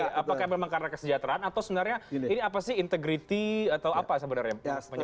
apakah memang karena kesejahteraan atau sebenarnya ini apa sih integrity atau apa sebenarnya